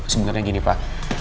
sebenarnya gini pak